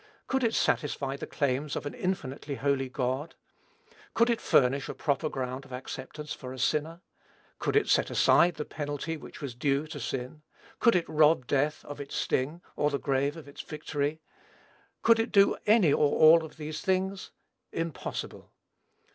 Could it satisfy the claims of an infinitely holy God? Could it furnish a proper ground of acceptance for a sinner? Could it set aside the penalty which was due to sin? Could it rob death of its sting, or the grave of its victory? Could it do any or all of these things? Impossible.